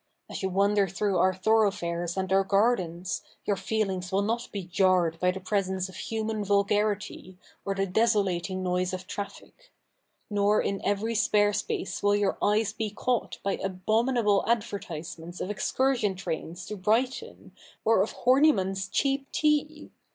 As you wander through our thoroughfares and our gardens, your feelings will not be jarred by the presence of human vulgarity, or the desolating noise of traffic ; nor in every spare space will your eyes be caught by abominable advertisements of excursion trains to Brighton, or of Horniman's cheap tea.